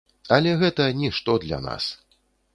Але гэта нішто для нас.